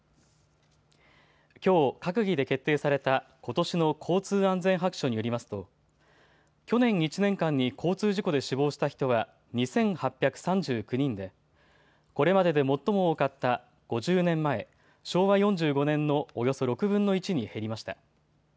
きょう閣議で決定されたことしの交通安全白書によりますと去年１年間に交通事故で死亡した人は２８３９人でこれまでで最も多かった５０年前、昭和４５年のおよそ６分の１に減りました。